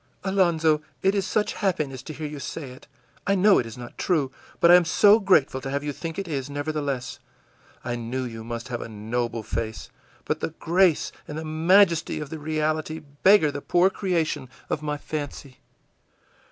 î ìAlonzo, it is such happiness to hear you say it. I know it is not true, but I am so grateful to have you think it is, nevertheless! I knew you must have a noble face, but the grace and majesty of the reality beggar the poor creation of my fancy.